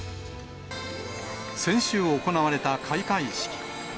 先週行われた開会式。